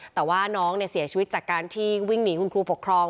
แต่ว่าน้องเสียชีวิตจากการที่วิ่งหนีคุณครูปกครอง